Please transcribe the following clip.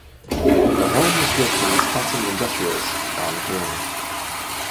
The home was built for Wisconsin Industrialist John Kern.